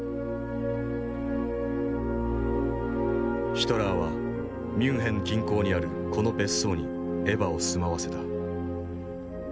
ヒトラーはミュンヘン近郊にあるこの別荘にエヴァを住まわせた。